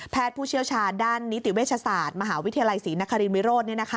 ผู้เชี่ยวชาญด้านนิติเวชศาสตร์มหาวิทยาลัยศรีนครินวิโรธ